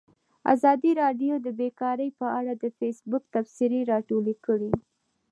ازادي راډیو د بیکاري په اړه د فیسبوک تبصرې راټولې کړي.